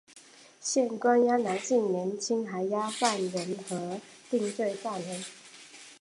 现关押男性年青还押犯人和定罪犯人。